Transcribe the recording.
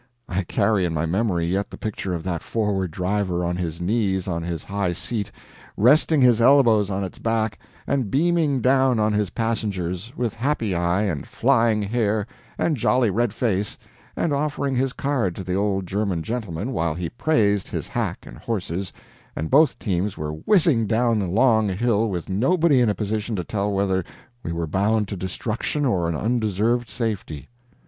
I carry in my memory yet the picture of that forward driver, on his knees on his high seat, resting his elbows on its back, and beaming down on his passengers, with happy eye, and flying hair, and jolly red face, and offering his card to the old German gentleman while he praised his hack and horses, and both teams were whizzing down a long hill with nobody in a position to tell whether we were bound to destruction or an undeserved safety.